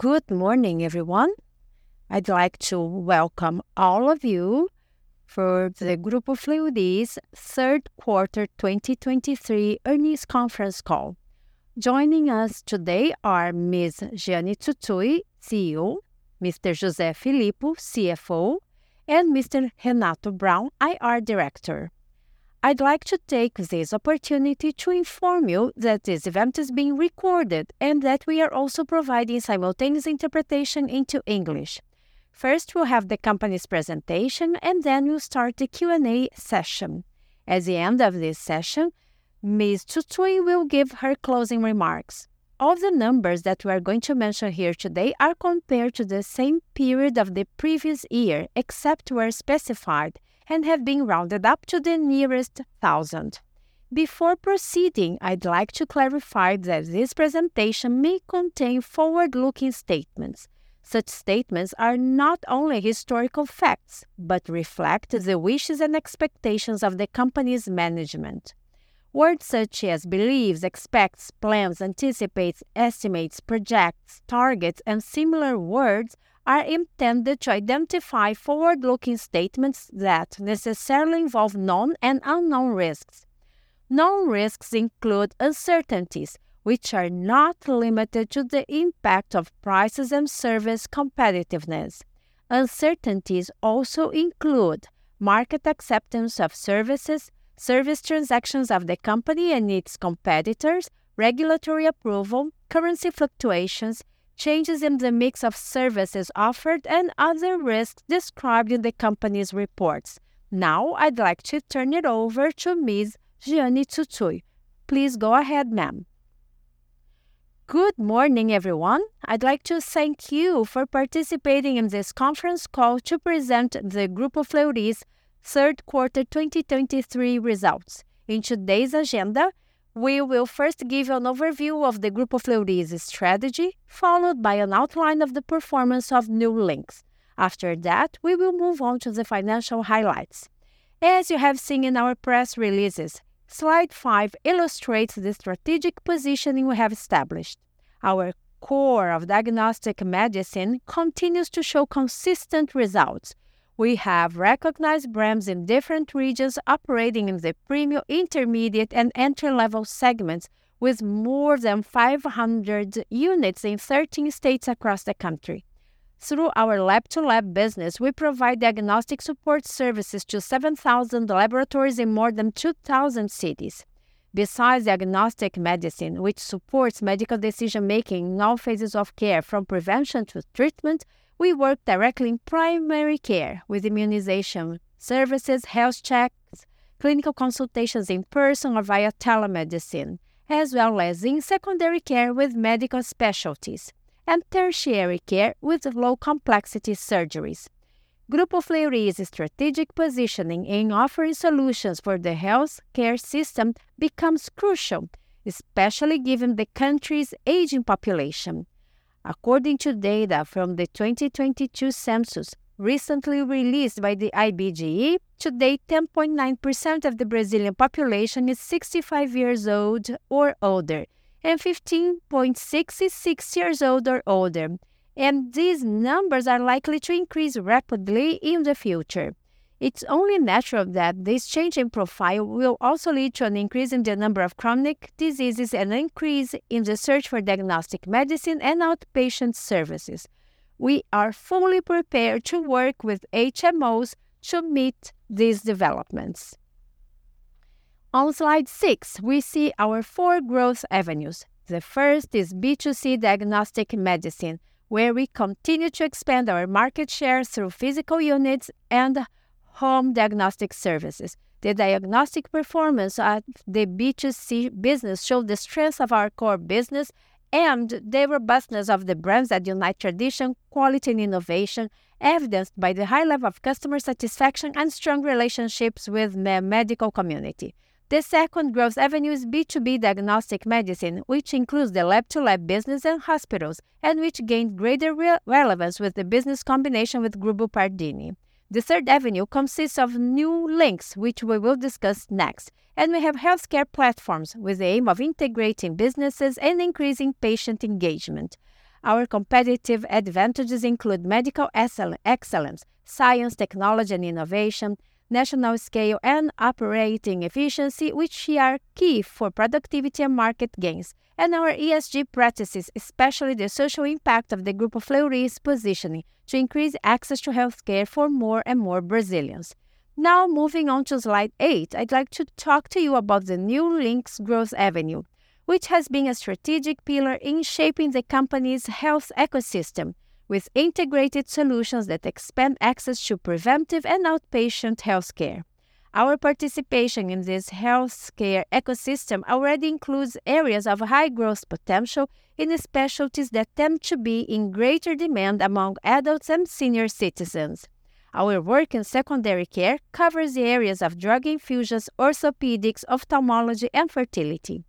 Good morning, everyone. I'd like to welcome all of you for the Grupo Fleury's third quarter 2023 earnings conference call. Joining us today are Ms. Jeane Tsutsui, CEO, Mr. José Filippo, CFO, and Mr. Renato Braun, IR Director. I'd like to take this opportunity to inform you that this event is being recorded and that we are also providing simultaneous interpretation into English. First, we'll have the company's presentation, and then we'll start the Q&A session. At the end of this session, Ms. Tsutsui will give her closing remarks. All the numbers that we are going to mention here today are compared to the same period of the previous year, except where specified, and have been rounded up to the nearest thousand. Before proceeding, I'd like to clarify that this presentation may contain forward-looking statements. Such statements are not only historical facts, but reflect the wishes and expectations of the company's management. Words such as believes, expects, plans, anticipates, estimates, projects, targets, and similar words are intended to identify forward-looking statements that necessarily involve known and unknown risks. Known risks include uncertainties, which are not limited to the impact of prices and service competitiveness. Uncertainties also include market acceptance of services, service transactions of the company and its competitors, regulatory approval, currency fluctuations, changes in the mix of services offered, and other risks described in the company's reports. Now, I'd like to turn it over to Ms. Jeane Tsutsui. Please go ahead, ma'am. Good morning, everyone. I'd like to thank you for participating in this conference call to present the Grupo Fleury's third quarter 2023 results. In today's agenda, we will first give an overview of the Grupo Fleury's strategy, followed by an outline of the performance of New Links. After that, we will move on to the financial highlights. As you have seen in our press releases, slide five illustrates the strategic positioning we have established. Our core of diagnostic medicine continues to show consistent results. We have recognized brands in different regions operating in the premium, intermediate, and entry-level segments, with more than 500 units in 13 states across the country. Through our Lab-to-Lab business, we provide diagnostic support services to 7,000 laboratories in more than 2,000 cities. Besides diagnostic medicine, which supports medical decision-making in all phases of care from prevention to treatment, we work directly in primary care with immunization services, health checks, clinical consultations in person or via telemedicine, as well as in secondary care with medical specialties and tertiary care with low-complexity surgeries. Grupo Fleury's strategic positioning in offering solutions for the healthcare system becomes crucial, especially given the country's aging population. According to data from the 2022 census recently released by the IBGE, today, 10.9% of the Brazilian population is 65 years old or older, and 15.66 years old or older, and these numbers are likely to increase rapidly in the future. It's only natural that this change in profile will also lead to an increase in the number of chronic diseases and an increase in the search for diagnostic medicine and outpatient services. We are fully prepared to work with HMOs to meet these developments. On slide six, we see our four growth avenues. The first is B2C diagnostic medicine, where we continue to expand our market share through physical units and home diagnostic services. The diagnostic performance of the B2C business show the strength of our core business and the robustness of the brands that unite tradition, quality, and innovation, evidenced by the high level of customer satisfaction and strong relationships with the medical community. The second growth avenue is B2B diagnostic medicine, which includes the Lab-to-Lab business and hospitals, and which gained greater relevance with the business combination with Grupo Pardini. The third avenue consists of New Links, which we will discuss next, and we have healthcare platforms with the aim of integrating businesses and increasing patient engagement. Our competitive advantages include medical excellence, science, technology and innovation, national scale, and operating efficiency, which are key for productivity and market gains, and our ESG practices, especially the social impact of the Grupo Fleury's positioning to increase access to healthcare for more and more Brazilians. Now, moving on to slide eight, I'd like to talk to you about the New Links growth avenue, which has been a strategic pillar in shaping the company's health ecosystem with integrated solutions that expand access to preventive and outpatient healthcare. Our participation in this healthcare ecosystem already includes areas of high growth potential in specialties that tend to be in greater demand among adults and senior citizens. Our work in secondary care covers the areas of drug infusions, orthopedics, ophthalmology, and fertility.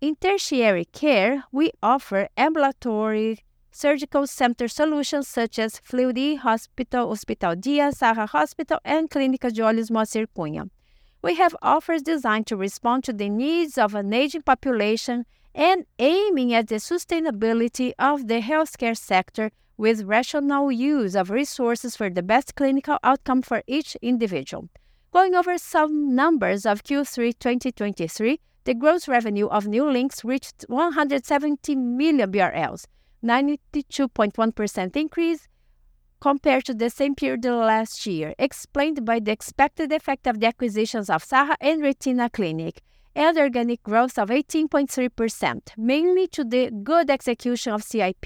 In tertiary care, we offer ambulatory surgical center solutions such as Fleury Hospital, Hospital Dia, Hospital Saha, and Clínica de Olhos Moacir Cunha. We have offers designed to respond to the needs of an aging population and aiming at the sustainability of the healthcare sector, with rational use of resources for the best clinical outcome for each individual. Going over some numbers of Q3 2023, the gross revenue of New Links reached 170 million BRL, 92.1% increase compared to the same period last year, explained by the expected effect of the acquisitions of Saha and Retina Clinic, and organic growth of 18.3%, mainly to the good execution of CIP.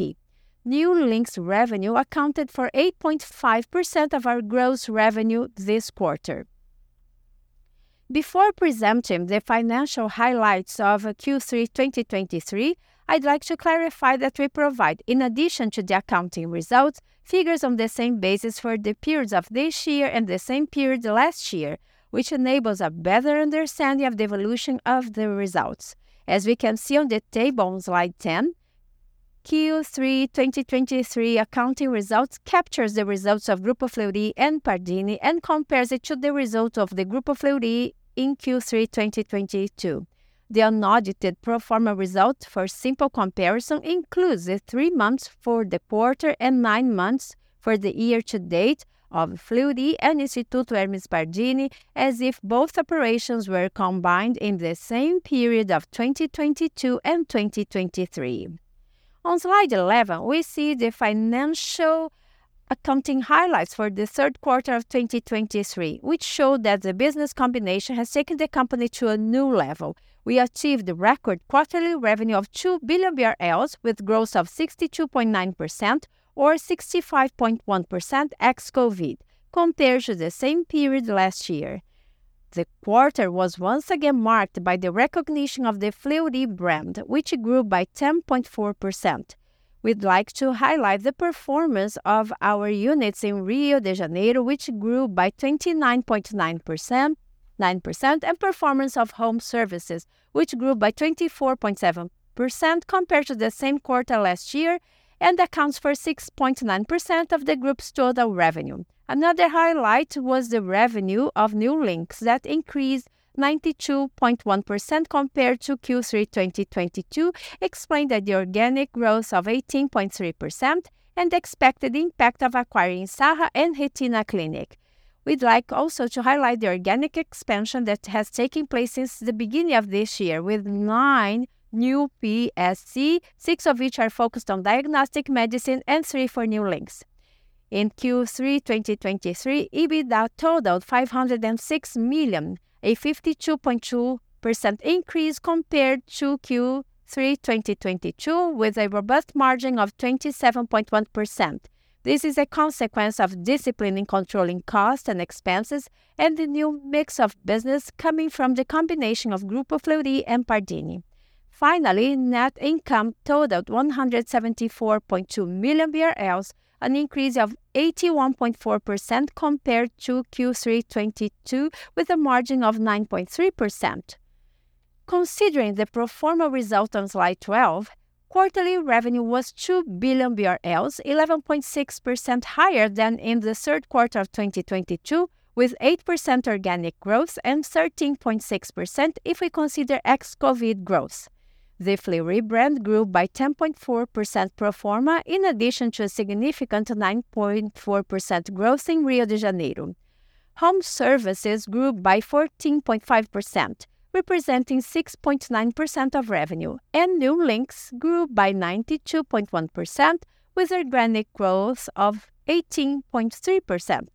New Links revenue accounted for 8.5% of our gross revenue this quarter. Before presuming the financial highlights of Q3 2023, I'd like to clarify that we provide, in addition to the accounting results, figures on the same basis for the periods of this year and the same period last year, which enables a better understanding of the evolution of the results. As we can see on the table on slide 10, Q3 2023 accounting results captures the results of Grupo Fleury and Pardini and compares it to the result of the Grupo Fleury in Q3 2022. The unaudited pro forma result for simple comparison includes the three months for the quarter and nine months for the year-to-date of Fleury and Instituto Hermes Pardini, as if both operations were combined in the same period of 2022 and 2023. On slide 11, we see the financial accounting highlights for the third quarter of 2023, which show that the business combination has taken the company to a new level. We achieved a record quarterly revenue of 2 billion BRL, with growth of 62.9%, or 65.1% ex-COVID, compared to the same period last year. The quarter was once again marked by the recognition of the Fleury brand, which grew by 10.4%. We'd like to highlight the performance of our units in Rio de Janeiro, which grew by 29.9%, nine percent, and performance of home services, which grew by 24.7% compared to the same quarter last year and accounts for 6.9% of the group's total revenue. Another highlight was the revenue of New Links that increased 92.1% compared to Q3 2022, explained that the organic growth of 18.3% and the expected impact of acquiring Saha and Retina Clinic. We'd like also to highlight the organic expansion that has taken place since the beginning of this year with nine new PSC, six of which are focused on diagnostic medicine and three for New Links. In Q3 2023, EBITDA totaled 506 million, a 52.2% increase compared to Q3 2022, with a robust margin of 27.1%. This is a consequence of discipline in controlling costs and expenses and the new mix of business coming from the combination of Grupo Fleury and Pardini. Finally, net income totaled 174.2 million BRL, an increase of 81.4% compared to Q3 2022, with a margin of 9.3%. Considering the pro forma result on slide 12, quarterly revenue was 2 billion BRL, 11.6% higher than in the third quarter of 2022, with 8% organic growth and 13.6% if we consider ex-COVID growth. The Fleury brand grew by 10.4% pro forma, in addition to a significant 9.4% growth in Rio de Janeiro. home services grew by 14.5%, representing 6.9% of revenue, and New Links grew by 92.1%, with organic growth of 18.3%.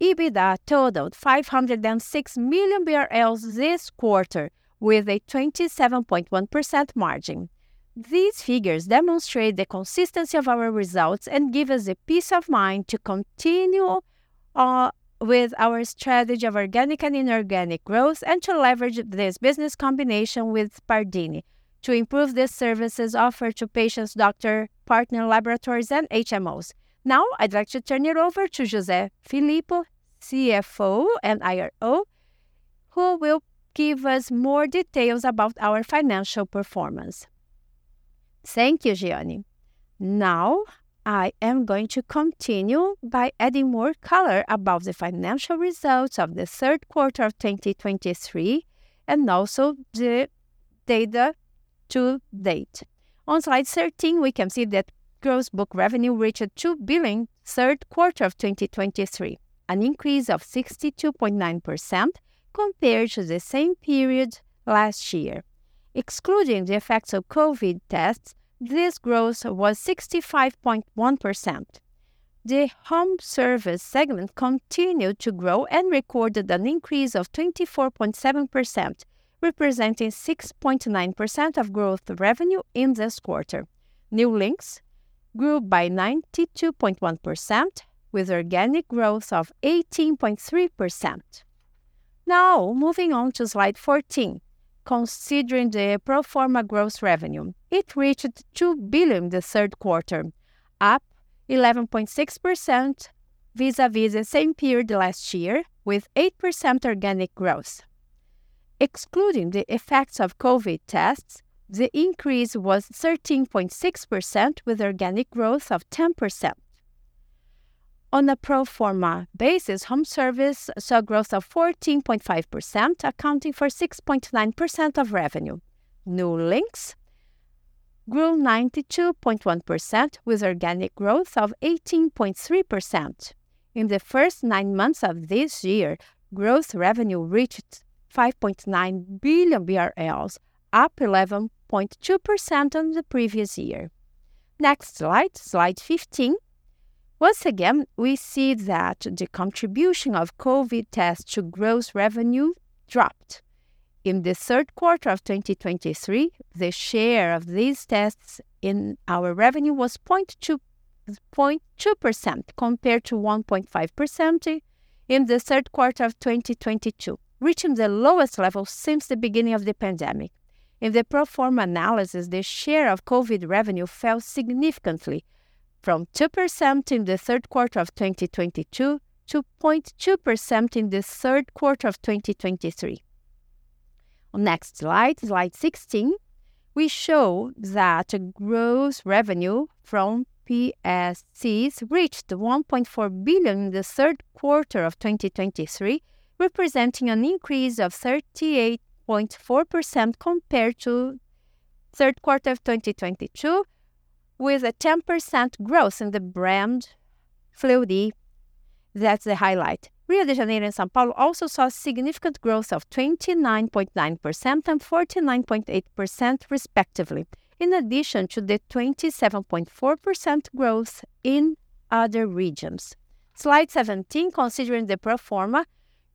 EBITDA totaled 506 million BRL this quarter, with a 27.1% margin. These figures demonstrate the consistency of our results and give us the peace of mind to continue with our strategy of organic and inorganic growth and to leverage this business combination with Pardini to improve the services offered to patients, doctors, partner laboratories, and HMOs. Now, I'd like to turn it over to José Filippo, CFO and IRO, who will give us more details about our financial performance. Thank you, Jeane. Now, I am going to continue by adding more color about the financial results of the third quarter of 2023 and also the data to date. On Slide 13, we can see that gross book revenue reached 2 billion third quarter of 2023, an increase of 62.9% compared to the same period last year. Excluding the effects of COVID tests, this growth was 65.1%. The home service segment continued to grow and recorded an increase of 24.7%, representing 6.9% of growth revenue in this quarter. New Links grew by 92.1%, with organic growth of 18.3%. Now, moving on to slide 14. Considering the pro forma gross revenue, it reached 2 billion in the third quarter, up 11.6% vis-à-vis the same period last year, with 8% organic growth. Excluding the effects of COVID tests, the increase was 13.6%, with organic growth of 10%. On a pro forma basis, home service saw a growth of 14.5%, accounting for 6.9% of revenue. New Links grew 92.1%, with organic growth of 18.3%. In the first nine months of this year, growth revenue reached 5.9 billion BRL, up 11.2% on the previous year. Next slide, slide 15. Once again, we see that the contribution of COVID tests to gross revenue dropped. In the third quarter of 2023, the share of these tests in our revenue was 0.2, 0.2%, compared to 1.5% in the third quarter of 2022, reaching the lowest level since the beginning of the pandemic. In the pro forma analysis, the share of COVID revenue fell significantly from 2% in the third quarter of 2022 to 0.2% in the third quarter of 2023. Next slide, slide 16. We show that gross revenue from PSCs reached 1.4 billion in the third quarter of 2023, representing an increase of 38.4% compared to third quarter of 2022, with a 10% growth in the brand Fleury. That's the highlight. Rio de Janeiro and São Paulo also saw significant growth of 29.9% and 49.8% respectively, in addition to the 27.4% growth in other regions. Slide 17, considering the pro forma,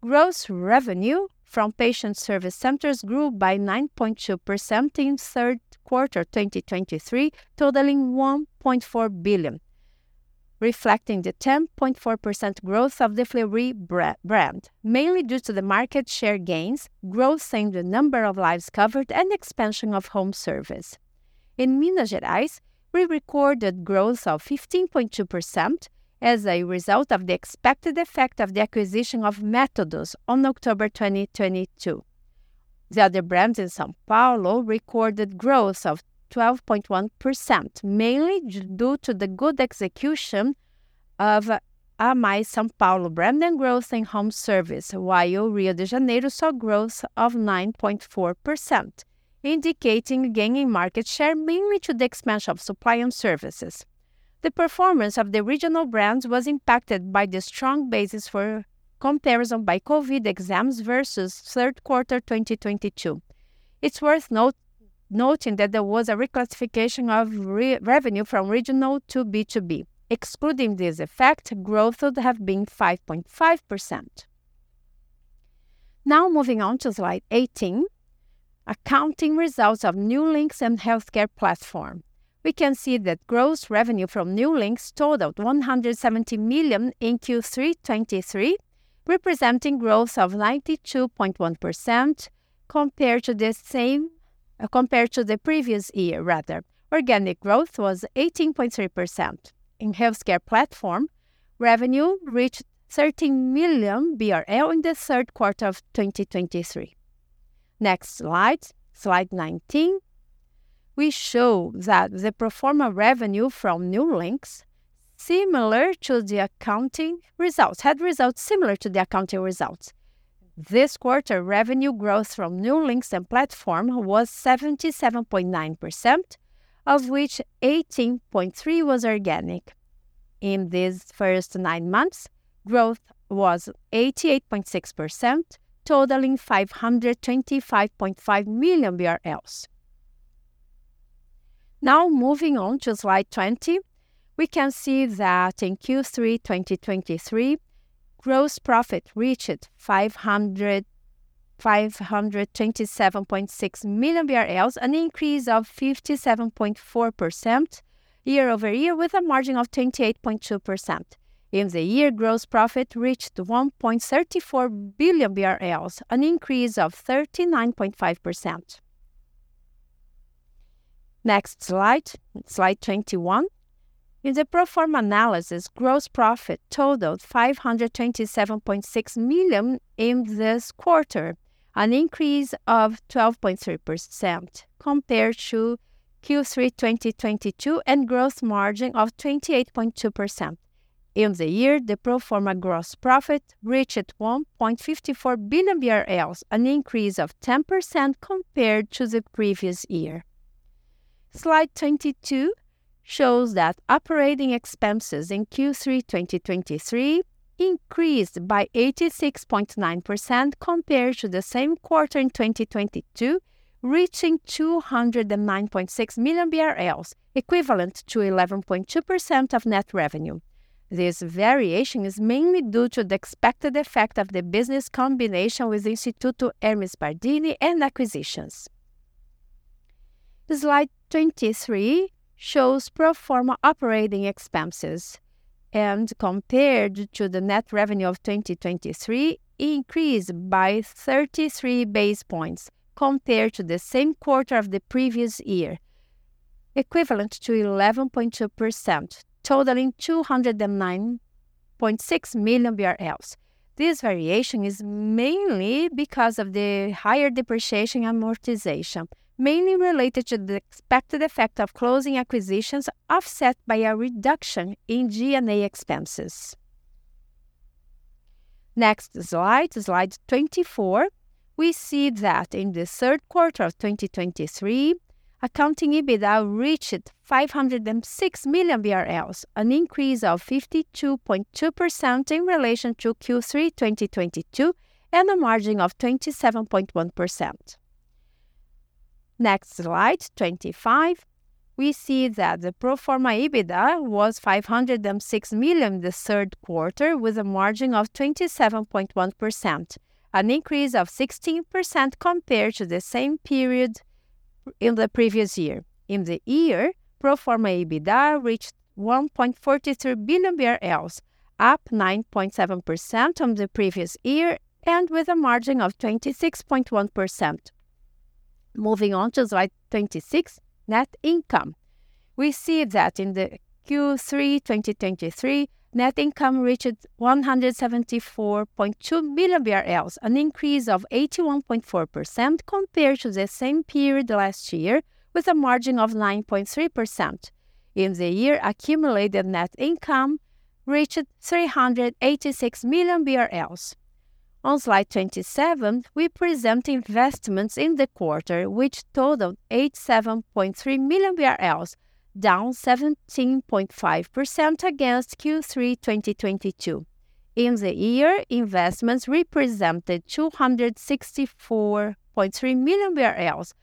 gross revenue from patient service centers grew by 9.2% in third quarter 2023, totaling 1.4 billion, reflecting the 10.4% growth of the Fleury brand, mainly due to the market share gains, growth in the number of lives covered, and expansion of home service. In Minas Gerais, we recorded growth of 15.2% as a result of the expected effect of the acquisition of Méthodos on October 2022. The other brands in São Paulo recorded growth of 12.1%, mainly due to the good execution of a+ São Paulo brand and growth in home service, while Rio de Janeiro saw growth of 9.4%, indicating gain in market share, mainly to the expansion of supply and services. The performance of the regional brands was impacted by the strong basis for comparison by COVID exams versus third quarter 2022. It's worth noting that there was a reclassification of revenue from regional to B2B. Excluding this effect, growth would have been 5.5%. Now, moving on to slide 18, accounting results of New Links and healthcare platform We can see that gross revenue from New Links totaled 170 million in Q3 2023, representing growth of 92.1% compared to the same... compared to the previous year, rather. Organic growth was 18.3%. In healthcare platform, revenue reached 13 million BRL in the third quarter of 2023. Next slide, slide 19. We show that the pro forma revenue from New Links, similar to the accounting results, had results similar to the accounting results. This quarter, revenue growth from New Links and platform was 77.9%, of which 18.3 was organic. In these first nine months, growth was 88.6%, totaling 525.5 million BRL. Now, moving on to slide 20, we can see that in Q3 2023, gross profit reached 557.6 million BRL, an increase of 57.4% year-over-year, with a margin of 28.2%. In the year, gross profit reached 1.34 billion BRL, an increase of 39.5%. Next slide, slide 21. In the pro forma analysis, gross profit totaled 527.6 million BRL in this quarter, an increase of 12.3% compared to Q3 2022, and gross margin of 28.2%. In the year, the pro forma gross profit reached 1.54 billion BRL, an increase of 10% compared to the previous year. Slide 22 shows that operating expenses in Q3 2023 increased by 86.9% compared to the same quarter in 2022, reaching 209.6 million BRL, equivalent to 11.2% of net revenue. This variation is mainly due to the expected effect of the business combination with Instituto Hermes Pardini and acquisitions. Slide 23 shows pro forma operating expenses, and compared to the net revenue of 2023, increased by 33 base points compared to the same quarter of the previous year. Equivalent to 11.2%, totaling 209.6 million BRL. This variation is mainly because of the higher depreciation amortization, mainly related to the expected effect of closing acquisitions, offset by a reduction in G&A expenses. Next slide, slide 24, we see that in the third quarter of 2023, accounting EBITDA reached 506 million BRL, an increase of 52.2% in relation to Q3 2022, and a margin of 27.1%. Next slide, 25, we see that the pro forma EBITDA was 506 million in the third quarter, with a margin of 27.1%, an increase of 16% compared to the same period in the previous year. In the year, pro forma EBITDA reached 1.43 billion BRL, up 9.7% on the previous year, and with a margin of 26.1%. Moving on to slide 26, net income. We see that in the Q3 2023, net income reached 174.2 million BRL, an increase of 81.4% compared to the same period last year, with a margin of 9.3%. In the year, accumulated net income reached 386 million BRL. On slide 27, we present investments in the quarter, which totaled 87.3 million BRL, down 17.5% against Q3 2022. In the year, investments represented 264.3 million BRL,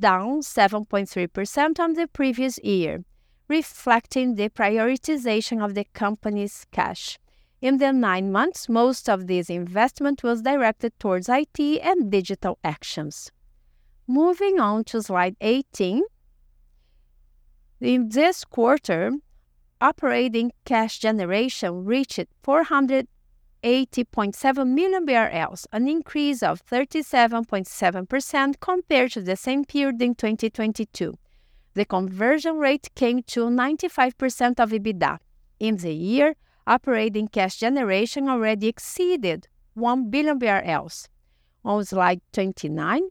down 7.3% on the previous year, reflecting the prioritization of the company's cash. In the nine months, most of this investment was directed towards IT and digital actions. Moving on to slide 18, in this quarter, operating cash generation reached 480.7 million BRL, an increase of 37.7% compared to the same period in 2022. The conversion rate came to 95% of EBITDA. In the year, operating cash generation already exceeded 1 billion BRL. On slide 29,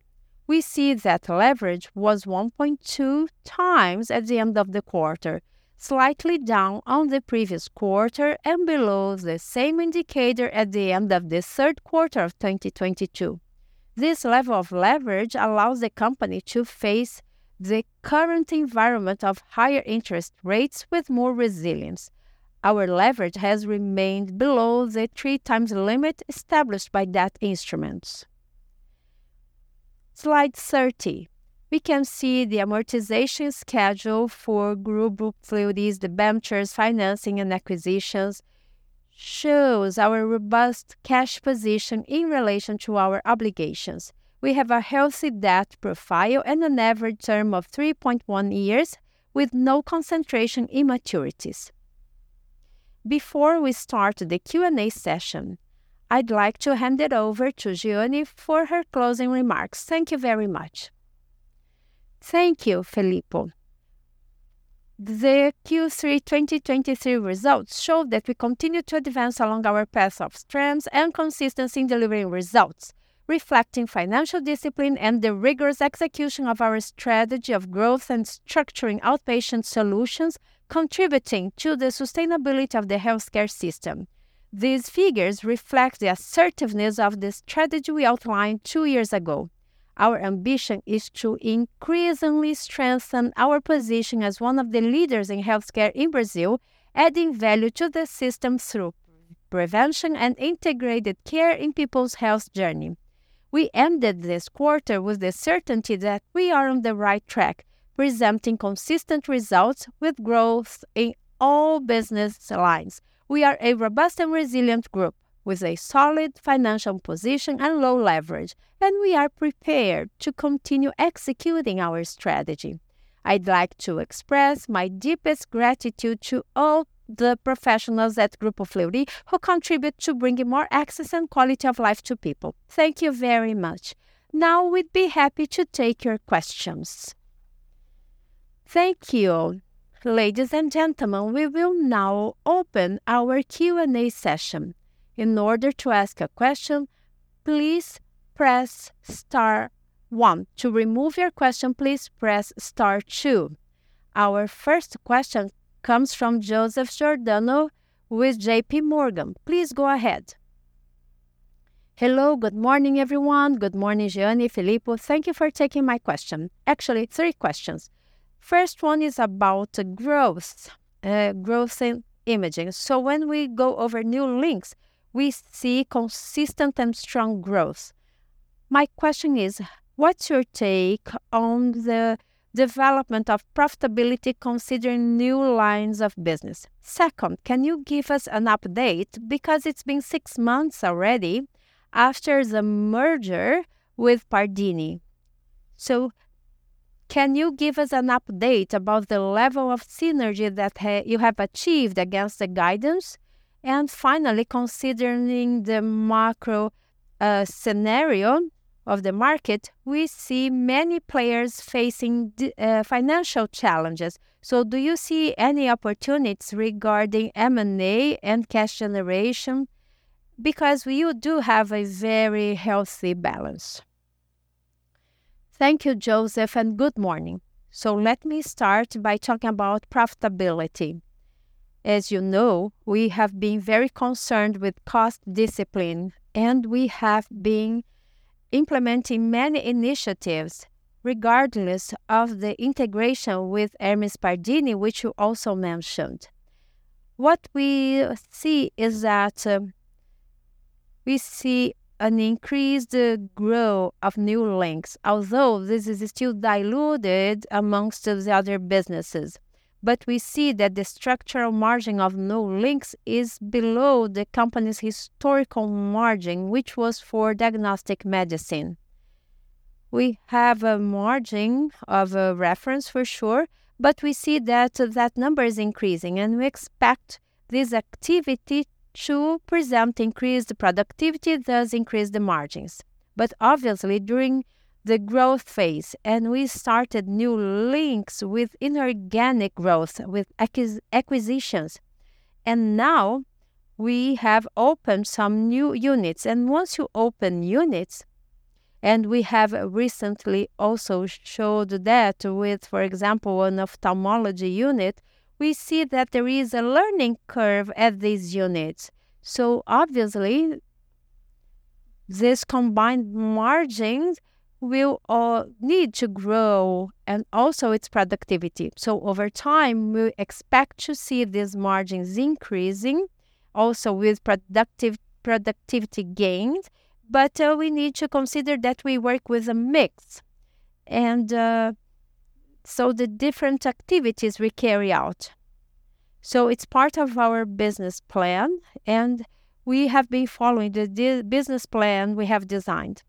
we see that leverage was 1.2x at the end of the quarter, slightly down on the previous quarter and below the same indicator at the end of the third quarter of 2022. This level of leverage allows the company to face the current environment of higher interest rates with more resilience. Our leverage has remained below the three times limit established by that instrument. Slide 30, we can see the amortization schedule for Grupo Fleury's debentures, financing, and acquisitions shows our robust cash position in relation to our obligations. We have a healthy debt profile and an average term of 3.1 years, with no concentration maturities. Before we start the Q&A session, I'd like to hand it over to Jeane for her closing remarks. Thank you very much. Thank you, Filippo. The Q3 2023 results show that we continue to advance along our path of strength and consistency in delivering results, reflecting financial discipline and the rigorous execution of our strategy of growth and structuring outpatient solutions, contributing to the sustainability of the healthcare system. These figures reflect the assertiveness of the strategy we outlined two years ago. Our ambition is to increasingly strengthen our position as one of the leaders in healthcare in Brazil, adding value to the system through prevention and integrated care in people's health journey. We ended this quarter with the certainty that we are on the right track, presenting consistent results with growth in all business lines. We are a robust and resilient group with a solid financial position and low leverage, and we are prepared to continue executing our strategy. I'd like to express my deepest gratitude to all the professionals at Grupo Fleury, who contribute to bringing more access and quality of life to people. Thank you very much. Now, we'd be happy to take your questions. Thank you. Ladies and gentlemen, we will now open our Q&A session. In order to ask a question, please press star one. To remove your question, please press star two. Our first question comes from Joseph Giordano with JPMorgan. Please go ahead. Hello, good morning, everyone. Good morning, Jeane, Filippo. Thank you for taking my question. Actually, three questions. First one is about the growth, growth in imaging. So when we go over New Links, we see consistent and strong growth. My question is: What's your take on the development of profitability, considering new lines of business? Second, can you give us an update, because it's been six months already after the merger with Pardini. Can you give us an update about the level of synergy that you have achieved against the guidance? And finally, considering the macro scenario of the market, we see many players facing financial challenges. So do you see any opportunities regarding M&A and cash generation? Because you do have a very healthy balance. Thank you, Joseph, and good morning. So let me start by talking about profitability. As you know, we have been very concerned with cost discipline, and we have been implementing many initiatives, regardless of the integration with Hermes Pardini, which you also mentioned. What we see is that we see an increased growth of New Links, although this is still diluted amongst the other businesses. But we see that the structural margin of New Links is below the company's historical margin, which was for diagnostic medicine. We have a margin of reference for sure, but we see that that number is increasing, and we expect this activity to present increased productivity, thus increase the margins. Obviously, during the growth phase, and we started New Links with inorganic growth, with acquisitions, and now we have opened some new units. Once you open units, and we have recently also showed that with, for example, an ophthalmology unit, we see that there is a learning curve at these units. Obviously, these combined margins will need to grow, and also its productivity. Over time, we expect to see these margins increasing also with productivity gains, but we need to consider that we work with a mix, and so the different activities we carry out. It's part of our business plan, and we have been following the business plan we have designed.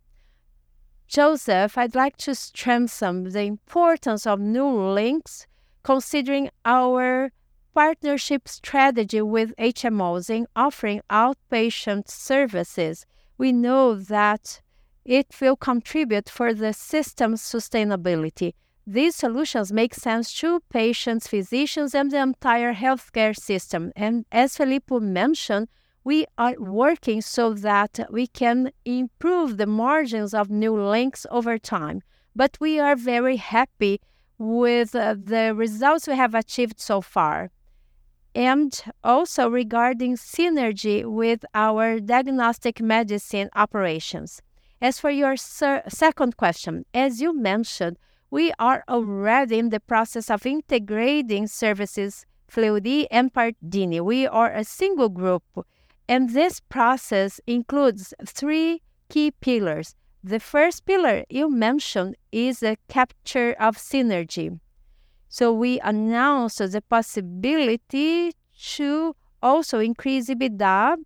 Joseph, I'd like to strengthen the importance of New Links, considering our partnership strategy with HMOs in offering outpatient services. We know that it will contribute for the system's sustainability. These solutions make sense to patients, physicians, and the entire healthcare system. And as Filippo mentioned, we are working so that we can improve the margins of New Links over time. But we are very happy with the results we have achieved so far, and also regarding synergy with our diagnostic medicine operations. As for your second question, as you mentioned, we are already in the process of integrating services, Fleury and Pardini. We are a single group, and this process includes three key pillars. The first pillar you mentioned is the capture of synergy. So we announced the possibility to also increase EBITDA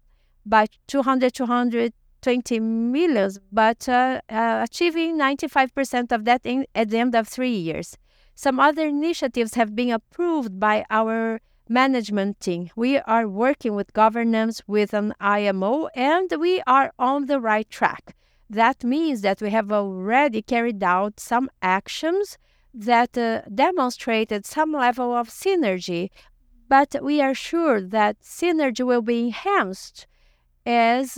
by 200 million-220 million, but achieving 95% of that at the end of three years. Some other initiatives have been approved by our management team. We are working with governance, with an IMO, and we are on the right track. That means that we have already carried out some actions that demonstrated some level of synergy, but we are sure that synergy will be enhanced, as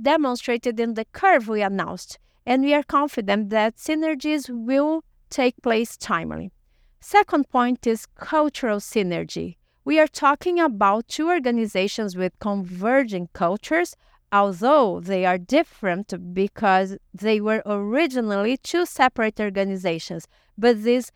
demonstrated in the curve we announced, and we are confident that synergies will take place timely. Second point is cultural synergy. We are talking about two organizations with converging cultures, although they are different because they were originally two separate organizations. But this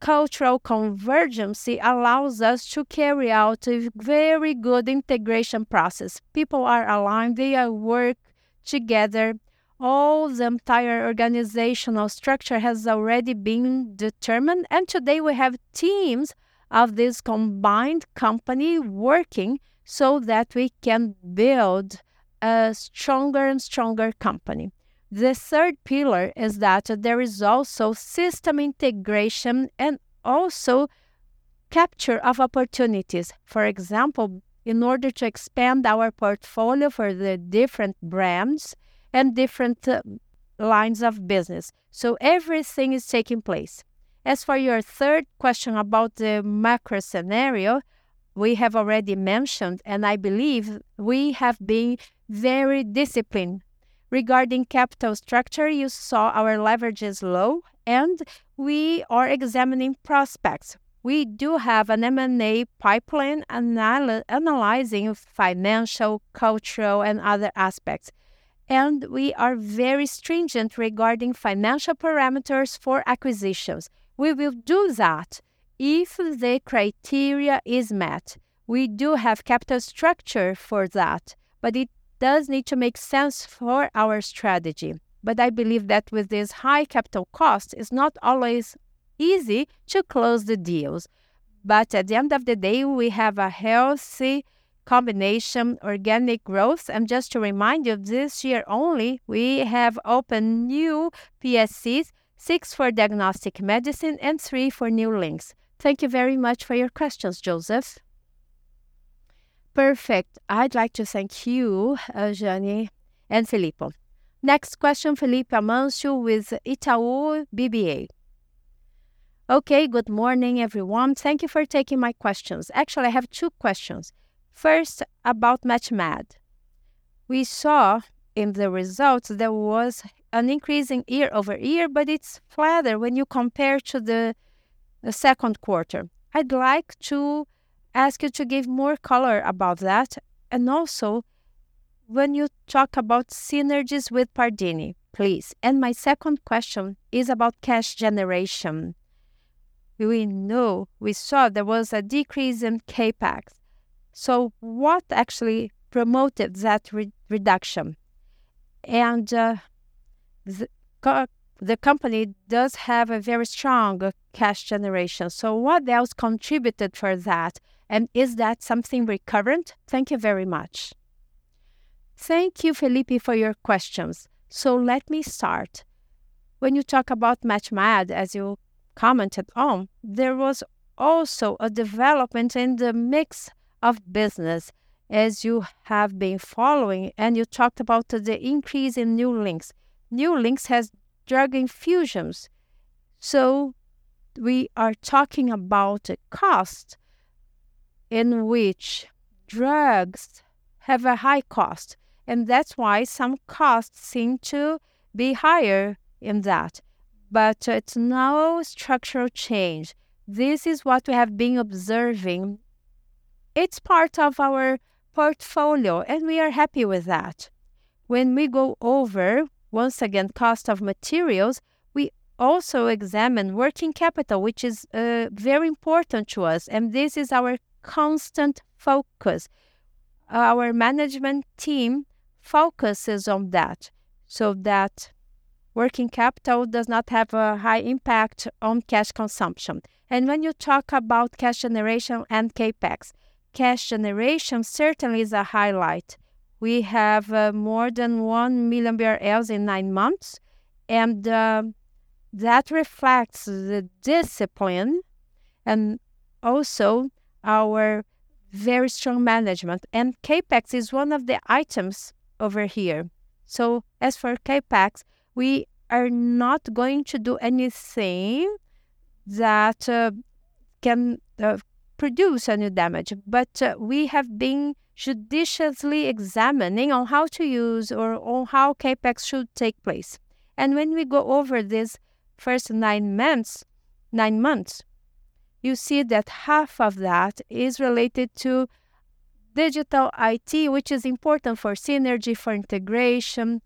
cultural convergence allows us to carry out a very good integration process. People are aligned, they work together. All the entire organizational structure has already been determined, and today we have teams of this combined company working so that we can build a stronger and stronger company. The third pillar is that there is also system integration and also capture of opportunities. For example, in order to expand our portfolio for the different brands and different, lines of business. So everything is taking place. As for your third question about the macro scenario, we have already mentioned, and I believe we have been very disciplined regarding capital structure. You saw our leverage is low, and we are examining prospects. We do have an M&A pipeline analyzing financial, cultural, and other aspects, and we are very stringent regarding financial parameters for acquisitions. We will do that if the criteria is met. We do have capital structure for that, but it does need to make sense for our strategy. But I believe that with this high capital cost, it's not always easy to close the deals.... but at the end of the day, we have a healthy combination, organic growth. Just to remind you, this year only, we have opened new PSCs, six for diagnostic medicine and three for New Links. Thank you very much for your questions, Joseph. Perfect. I'd like to thank you, Jeane and Filippo. Next question, Felipe Amancio with Itaú BBA. Okay, good morning, everyone. Thank you for taking my questions. Actually, I have two questions. First, about Méthodos. We saw in the results there was an increase in year-over-year, but it's flatter when you compare to the second quarter. I'd like to ask you to give more color about that, and also when you talk about synergies with Pardini, please. And my second question is about cash generation. We know we saw there was a decrease in CapEx, so what actually promoted that reduction? The company does have a very strong cash generation, so what else contributed for that, and is that something recurrent? Thank you very much. Thank you, Felipe, for your questions. So let me start. When you talk about Méthodos, as you commented on, there was also a development in the mix of business, as you have been following, and you talked about the increase in New Links. New Links has drug infusions, so we are talking about a cost in which drugs have a high cost, and that's why some costs seem to be higher in that. But it's no structural change. This is what we have been observing. It's part of our portfolio, and we are happy with that. When we go over, once again, cost of materials, we also examine working capital, which is very important to us, and this is our constant focus. Our management team focuses on that, so that working capital does not have a high impact on cash consumption. And when you talk about cash generation and CapEx, cash generation certainly is a highlight. We have more than 1 million barrels in nine months, and that reflects the discipline and also our very strong management, and CapEx is one of the items over here. So as for CapEx, we are not going to do anything that can produce any damage, but we have been judiciously examining on how to use or on how CapEx should take place. When we go over these first nine months, nine months, you see that half of that is related to digital IT, which is important for synergy, for integration,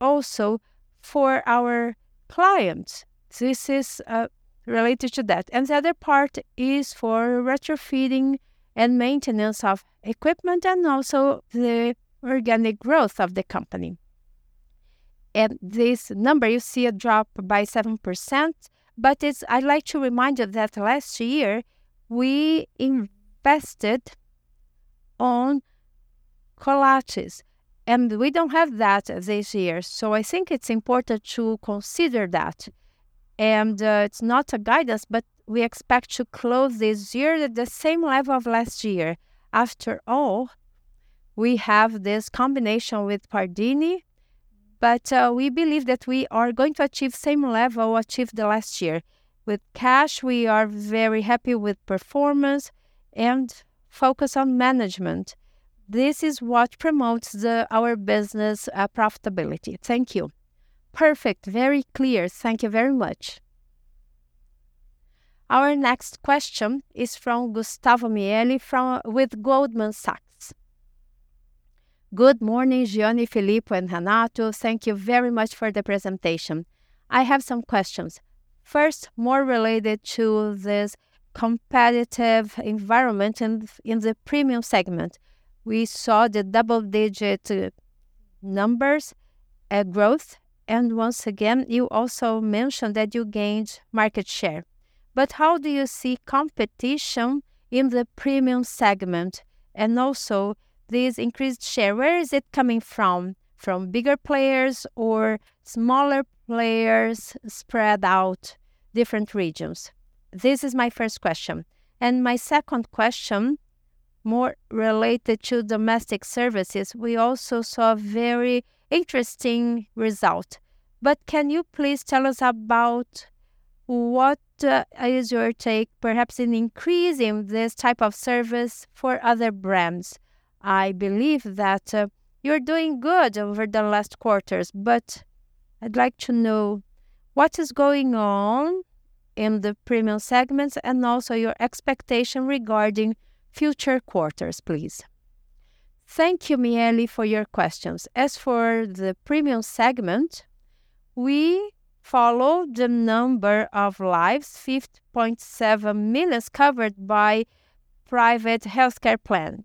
also for our clients. This is related to that. The other part is for retrofitting and maintenance of equipment, and also the organic growth of the company. This number, you see a drop by 7%, but it's... I'd like to remind you that last year we invested on [Collatus], and we don't have that this year. So I think it's important to consider that. It's not a guidance, but we expect to close this year at the same level of last year. After all, we have this combination with Pardini, but we believe that we are going to achieve same level achieved the last year. With cash, we are very happy with performance and focus on management. This is what promotes the, our business, profitability. Thank you. Perfect. Very clear. Thank you very much. Our next question is from Gustavo Miele with Goldman Sachs. Good morning, Jeane, Filippo, and Renato. Thank you very much for the presentation. I have some questions. First, more related to this competitive environment in, in the premium segment. We saw the double-digit numbers, growth, and once again, you also mentioned that you gained market share. But how do you see competition in the premium segment, and also this increased share? Where is it coming from? From bigger players or smaller players spread out different regions? This is my first question. And my second question, more related to domestic services, we also saw a very interesting result. But can you please tell us about what is your take, perhaps an increase in this type of service for other brands? I believe that you're doing good over the last quarters, but I'd like to know what is going on in the premium segments and also your expectation regarding future quarters, please. Thank you, Miele, for your questions. As for the premium segment, we followed the number of lives, 50.7 million, covered by private healthcare plan.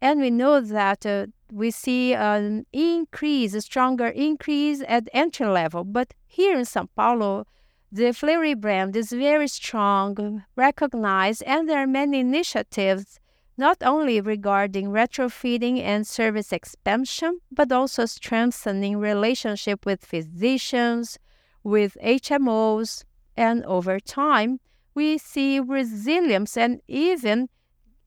And we know that we see an increase, a stronger increase at entry level. But here in São Paulo, the Fleury brand is very strong, recognized, and there are many initiatives, not only regarding retrofitting and service expansion, but also strengthening relationship with physicians, with HMOs, and over time, we see resilience and even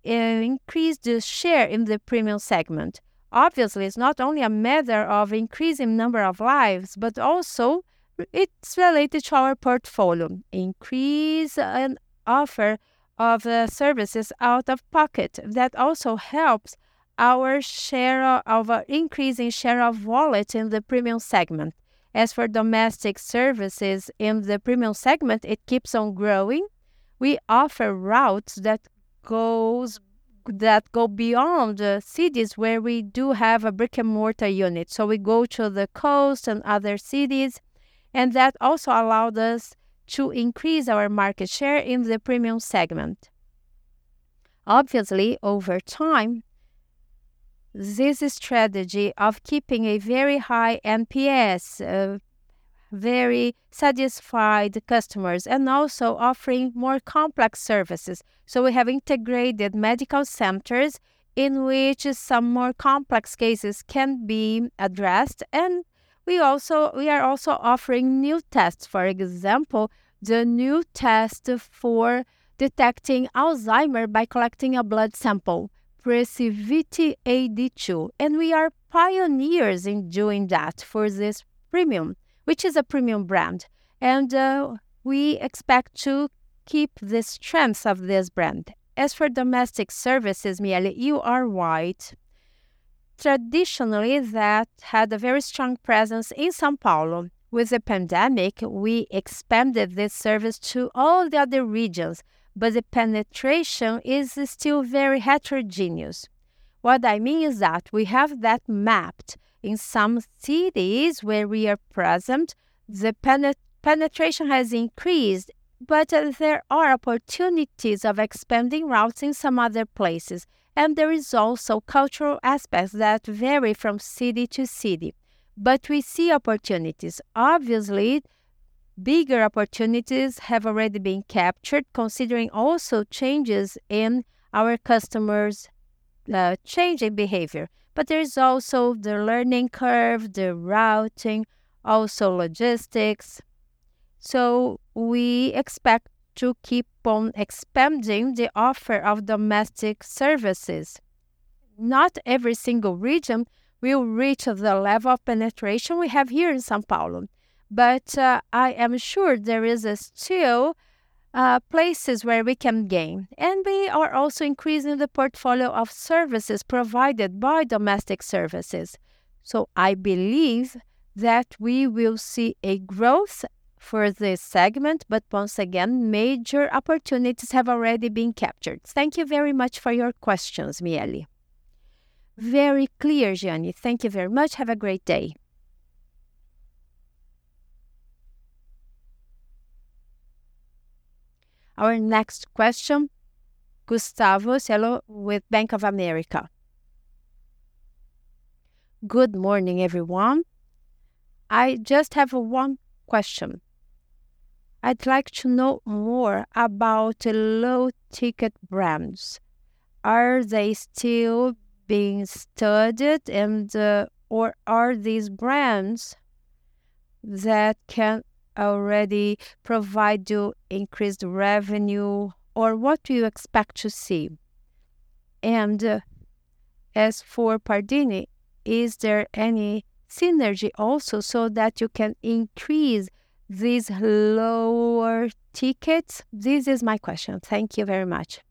increase the share in the premium segment. Obviously, it's not only a matter of increasing number of lives, but also it's related to our portfolio. Increase and offer of, services out of pocket, that also helps our share of, our increasing share of wallet in the premium segment. As for domestic services in the premium segment, it keeps on growing. We offer routes that goes, that go beyond the cities where we do have a brick-and-mortar unit. So we go to the coast and other cities, and that also allowed us to increase our market share in the premium segment. Obviously, over time, this strategy of keeping a very high NPS, very satisfied customers, and also offering more complex services. So we have integrated medical centers in which some more complex cases can be addressed, and we also... We are also offering new tests. For example, the new test for detecting Alzheimer's by collecting a blood sample, PrecivityAD2, and we are pioneers in doing that for this premium, which is a premium brand, and we expect to keep the strengths of this brand. As for domestic services, Miele, you are right. Traditionally, that had a very strong presence in São Paulo. With the pandemic, we expanded this service to all the other regions, but the penetration is still very heterogeneous. What I mean is that we have that mapped. In some cities where we are present, the penetration has increased, but there are opportunities of expanding routes in some other places, and there is also cultural aspects that vary from city to city, but we see opportunities. Obviously, bigger opportunities have already been captured, considering also changes in our customers', changing behavior. But there is also the learning curve, the routing, also logistics, so we expect to keep on expanding the offer of domestic services. Not every single region will reach the level of penetration we have here in São Paulo, but I am sure there is still places where we can gain. And we are also increasing the portfolio of services provided by domestic services. So I believe that we will see a growth for this segment, but once again, major opportunities have already been captured. Thank you very much for your questions, Miele. Very clear, Jeane. Thank you very much. Have a great day. Our next question, Gustavo Tiseo with Bank of America. Good morning, everyone. I just have one question. I'd like to know more about low-ticket brands. Are they still being studied, and...Or are these brands that can already provide you increased revenue, or what do you expect to see? And, as for Pardini, is there any synergy also, so that you can increase these lower tickets? This is my question. Thank you very much.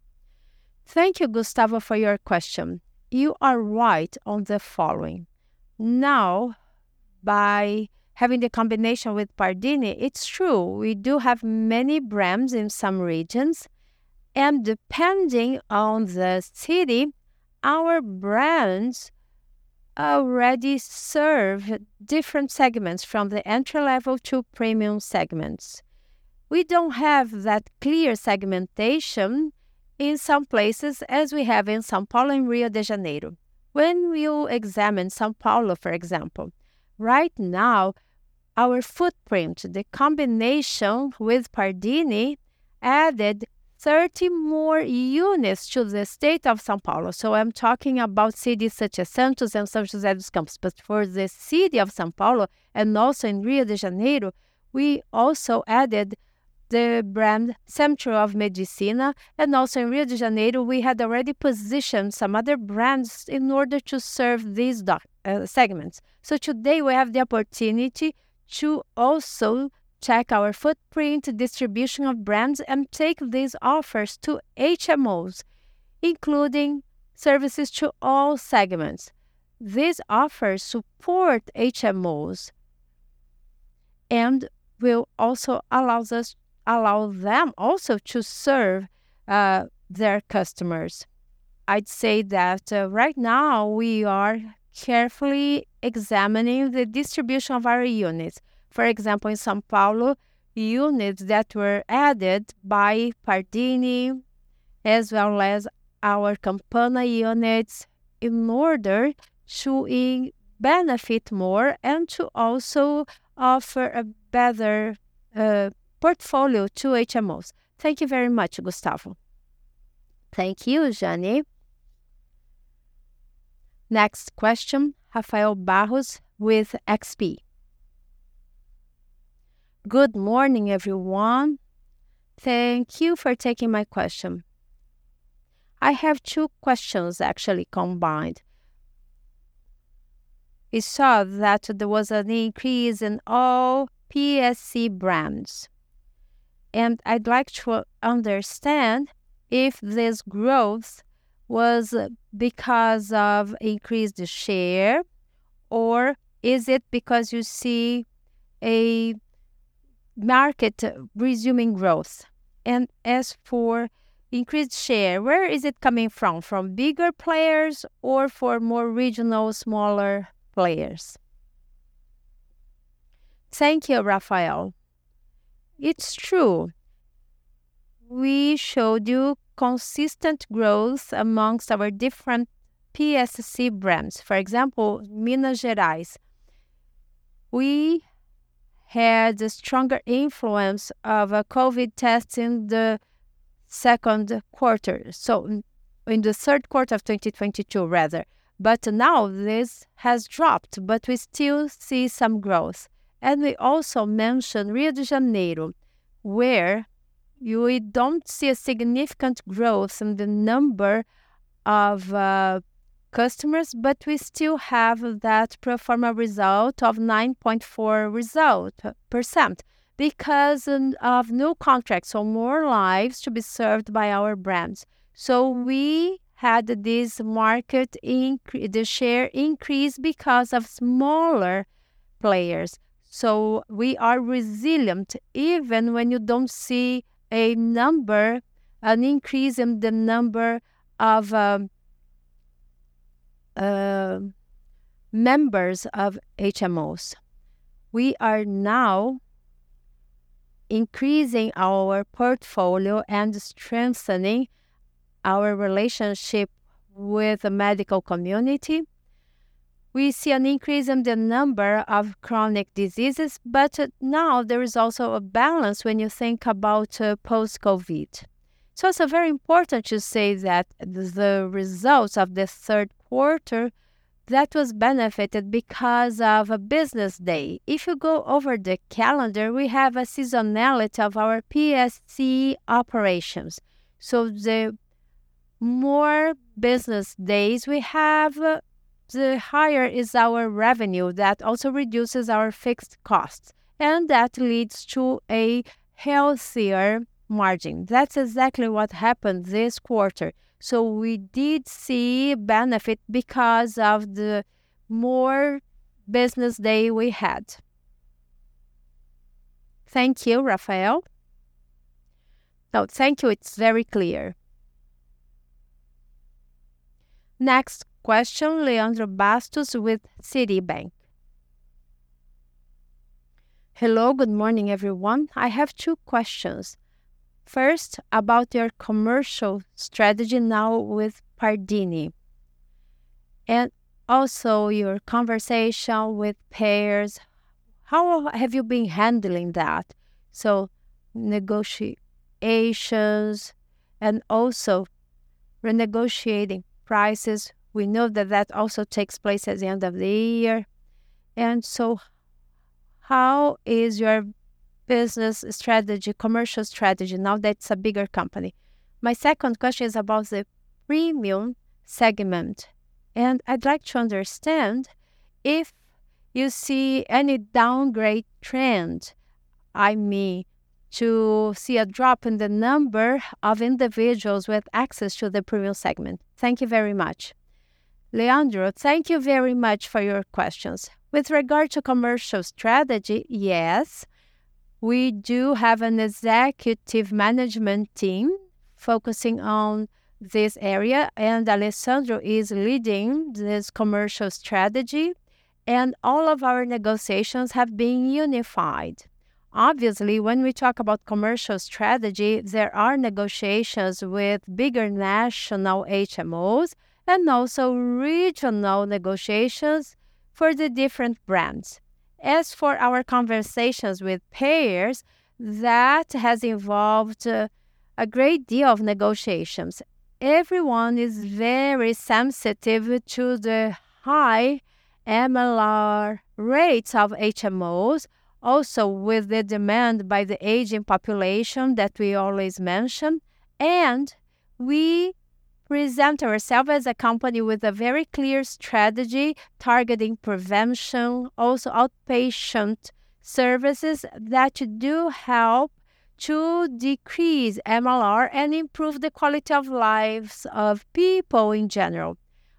Thank you, Gustavo, for your question. You are right on the following. Now, by having the combination with Pardini, it's true, we do have many brands in some regions, and depending on the city, our brands already serve different segments, from the entry level to premium segments. We don't have that clear segmentation in some places as we have in São Paulo and Rio de Janeiro. When we examine São Paulo, for example, right now, our footprint, the combination with Pardini, added 30 more units to the state of São Paulo, so I'm talking about cities such as Santos and São José dos Campos. But for the city of São Paulo, and also in Rio de Janeiro, we also added the brand, Centro de Medicina, and also in Rio de Janeiro, we had already positioned some other brands in order to serve these segments. So today, we have the opportunity to also check our footprint, distribution of brands, and take these offers to HMOs, including services to all segments. These offers support HMOs and will also allows us- allow them also to serve their customers.... I'd say that, right now, we are carefully examining the distribution of our units. For example, in São Paulo, units that were added by Pardini, as well as our Campana units, in order to benefit more and to also offer a better portfolio to HMOs. Thank you very much, Gustavo. Thank you, Jeane. Next question, Rafael Barros with XP. Good morning, everyone. Thank you for taking my question. I have two questions, actually, combined. We saw that there was an increase in all PSC brands, and I'd like to understand if this growth was because of increased share, or is it because you see a market resuming growth? And as for increased share, where is it coming from? From bigger players or from more regional, smaller players? Thank you, Rafael. It's true. We showed you consistent growth amongst our different PSC brands. For example, Minas Gerais, we had a stronger influence of COVID tests in the second quarter, so in the third quarter of 2022, rather, but now this has dropped, but we still see some growth. We also mentioned Rio de Janeiro, where we don't see a significant growth in the number of customers, but we still have that pro forma result of 9.4%, because of new contracts, so more lives to be served by our brands. So we had this market share increase because of smaller players, so we are resilient even when you don't see an increase in the number of members of HMOs. We are now increasing our portfolio and strengthening our relationship with the medical community. We see an increase in the number of chronic diseases, but now there is also a balance when you think about post-COVID. So it's very important to say that the results of the third quarter that was benefited because of a business day. If you go over the calendar, we have a seasonality of our PSC operations, so the more business days we have, the higher is our revenue. That also reduces our fixed costs, and that leads to a healthier margin. That's exactly what happened this quarter, so we did see benefit because of the more business day we had. Thank you, Rafael. No, thank you. It's very clear. Next question, Leandro Bastos with Citibank. Hello. Good morning, everyone. I have two questions. First, about your commercial strategy now with Pardini, and also your conversation with payers. How have you been handling that? So negotiations and also renegotiating prices. We know that that also takes place at the end of the year, and so how is your business strategy, commercial strategy, now that it's a bigger company? My second question is about the premium segment, and I'd like to understand if you see any downgrade trend. I mean, to see a drop in the number of individuals with access to the premium segment. Thank you very much. Leandro, thank you very much for your questions. With regard to commercial strategy, yes, we do have an executive management team focusing on this area, and Alessandro is leading this commercial strategy, and all of our negotiations have been unified. Obviously, when we talk about commercial strategy, there are negotiations with bigger national HMOs and also regional negotiations for the different brands. As for our conversations with payers, that has involved a great deal of negotiations. Everyone is very sensitive to the high MLR rates of HMOs, also with the demand by the aging population that we always mention, and we present ourselves as a company with a very clear strategy, targeting prevention, also outpatient services that do help to decrease MLR and improve the quality of lives of people in general.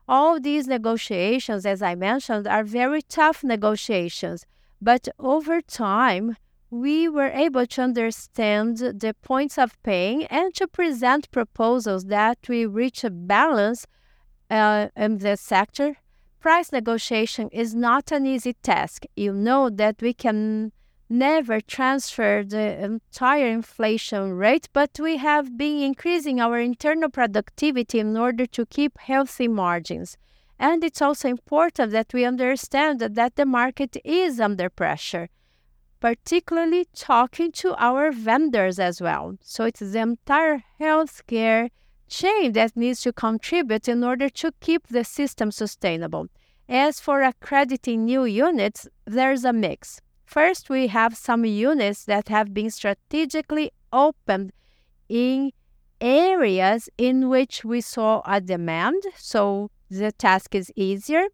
All these negotiations, as I mentioned, are very tough negotiations, but over time, we were able to understand the points of pain and to present proposals that we reach a balance in the sector. Price negotiation is not an easy task. You know that we can never transfer the entire inflation rate, but we have been increasing our internal productivity in order to keep healthy margins. And it's also important that we understand that the market is under pressure, particularly talking to our vendors as well. So it's the entire healthcare chain that needs to contribute in order to keep the system sustainable. As for accrediting new units, there's a mix. First, we have some units that have been strategically opened in areas in which we saw a demand, so the task is easier,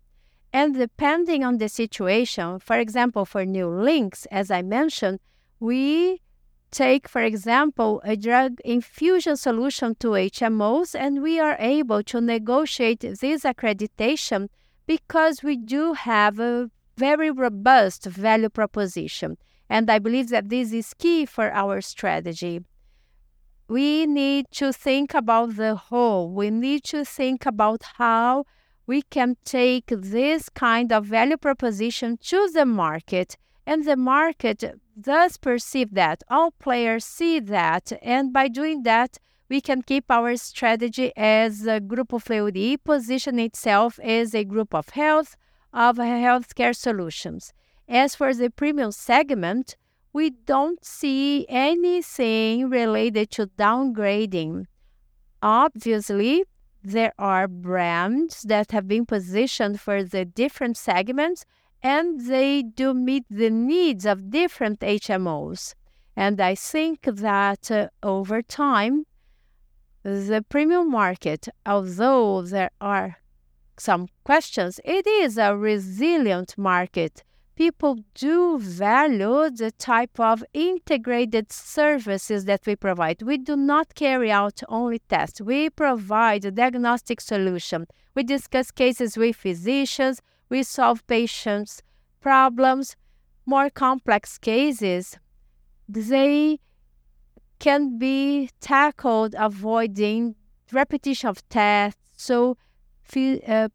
and depending on the situation, for example, for New Links, as I mentioned, we take, for example, a drug infusion solution to HMOs, and we are able to negotiate this accreditation because we do have a very robust value proposition, and I believe that this is key for our strategy. We need to think about the whole. We need to think about how we can take this kind of value proposition to the market, and the market does perceive that. All players see that, and by doing that, we can keep our strategy as a Grupo Fleury positioning itself as a group of health, of healthcare solutions. As for the premium segment, we don't see anything related to downgrading. Obviously, there are brands that have been positioned for the different segments, and they do meet the needs of different HMOs. I think that over time, the premium market, although there are some questions, it is a resilient market. People do value the type of integrated services that we provide. We do not carry out only tests. We provide a diagnostic solution. We discuss cases with physicians. We solve patients' problems. More complex cases, they can be tackled avoiding repetition of tests, so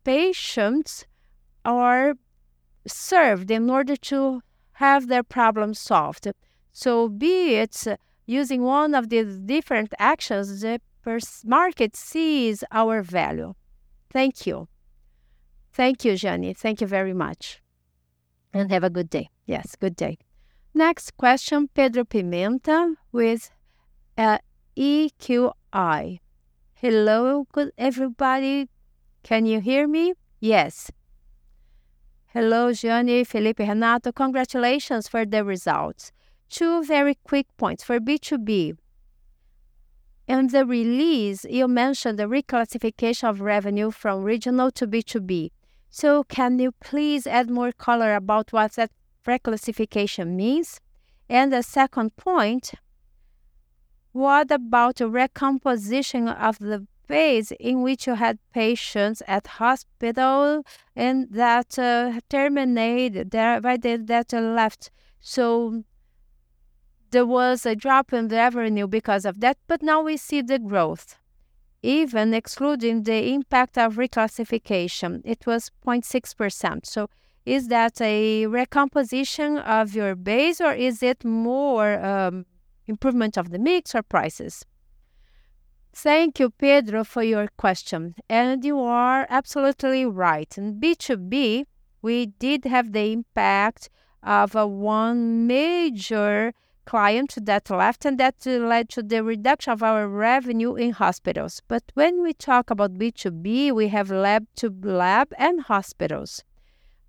patients are served in order to have their problems solved. So be it using one of the different actions, the market sees our value. Thank you. Thank you, Jeane. Thank you very much. And have a good day. Yes, good day. Next question, Pedro Pimenta with EQI. Hello, good everybody. Can you hear me? Yes. Hello, Jeane, Filippo, Renato, congratulations for the results. Two very quick points. For B2B, in the release, you mentioned the reclassification of revenue from regional to B2B. So can you please add more color about what that reclassification means? And the second point, what about a recomposition of the base in which you had patients at hospital and that terminated there, right, that left? So there was a drop in the revenue because of that, but now we see the growth, even excluding the impact of reclassification. It was 0.6%. So is that a recomposition of your base, or is it more improvement of the mix or prices? Thank you, Pedro, for your question, and you are absolutely right. In B2B, we did have the impact of one major client that left, and that led to the reduction of our revenue in hospitals. But when we talk about B2B, we have lab-to-lab and hospitals.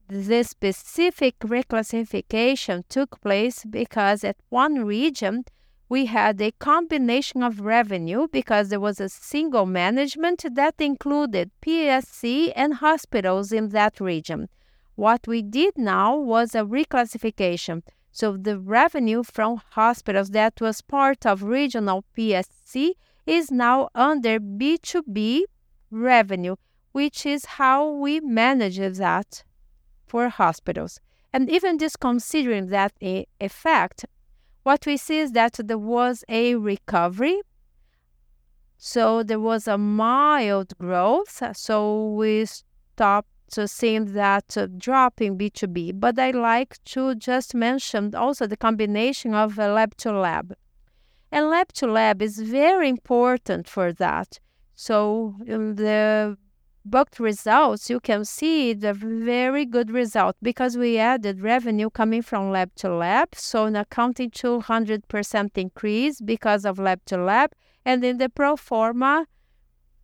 The specific reclassification took place because at one region, we had a combination of revenue, because there was a single management that included PSC and hospitals in that region. What we did now was a reclassification, so the revenue from hospitals that was part of regional PSC is now under B2B revenue, which is how we manage that for hospitals. And even disconsidering that i- effect, what we see is that there was a recovery, so there was a mild growth, so we stopped seeing that drop in B2B. But I'd like to just mention also the combination of Lab-to-Lab, and Lab-to-Lab is very important for that. So in the booked results, you can see the very good result, because we added revenue coming from Lab-to-Lab, so in accounting, 200% increase because of Lab-to-Lab, and in the pro forma,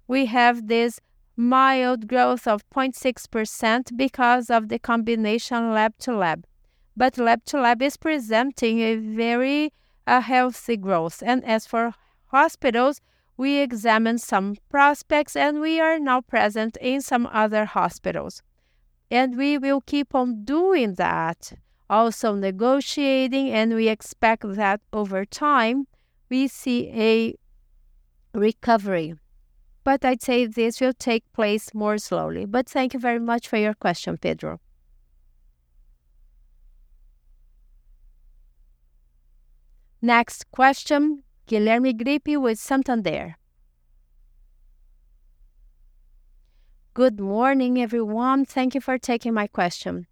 we have this mild growth of 0.6% because of the combination Lab-to-Lab. But Lab-to-Lab is presenting a very healthy growth, and as for hospitals, we examined some prospects, and we are now present in some other hospitals, and we will keep on doing that, also negotiating, and we expect that over time, we see a recovery. But I'd say this will take place more slowly. But thank you very much for your question, Pedro. Next question, Guilherme Gripp with Santander. Good morning, everyone. Thank you for taking my question.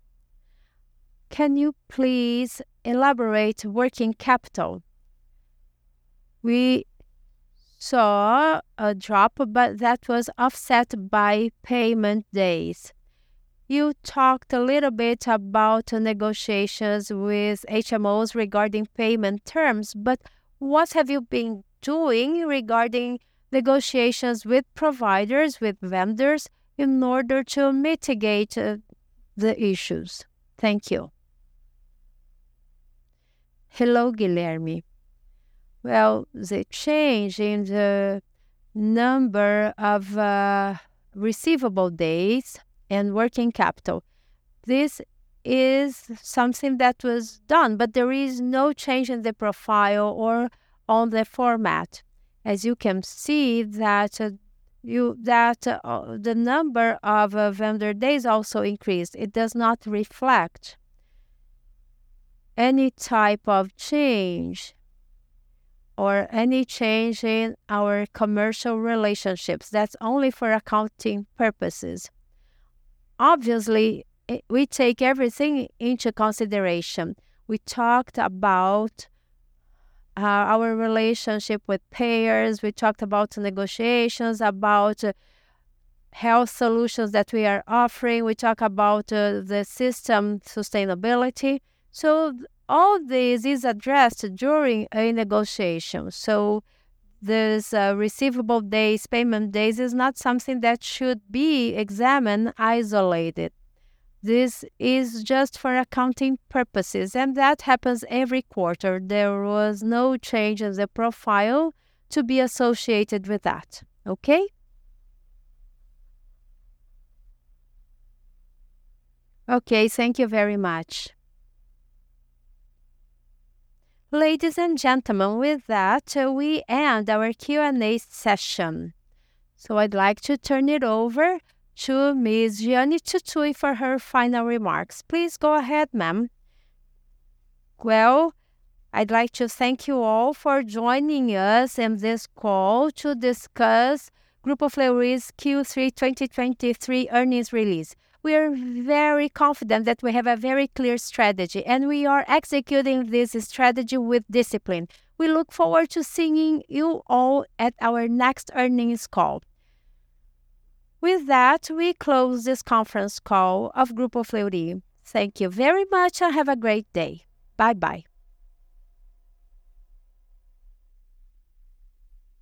Can you please elaborate working capital? We saw a drop, but that was offset by payment days. You talked a little bit about negotiations with HMOs regarding payment terms, but what have you been doing regarding negotiations with providers, with vendors, in order to mitigate the issues? Thank you. Hello, Guilherme. Well, the change in the number of receivable days and working capital, this is something that was done, but there is no change in the profile or on the format. As you can see, that the number of vendor days also increased. It does not reflect any type of change or any change in our commercial relationships. That's only for accounting purposes. Obviously, we take everything into consideration. We talked about our relationship with payers. We talked about negotiations, about health solutions that we are offering. We talk about the system sustainability. So all this is addressed during a negotiation. So this, receivable days, payment days, is not something that should be examined isolated. This is just for accounting purposes, and that happens every quarter. There was no change in the profile to be associated with that. Okay? Okay, thank you very much. Ladies and gentlemen, with that, we end our Q&A session, so I'd like to turn it over to Ms. Jeane Tsutsui for her final remarks. Please go ahead, ma'am. Well, I'd like to thank you all for joining us in this call to discuss Grupo Fleury's Q3 2023 earnings release. We are very confident that we have a very clear strategy, and we are executing this strategy with discipline. We look forward to seeing you all at our next earnings call. With that, we close this conference call of Grupo Fleury. Thank you very much, and have a great day. Bye bye.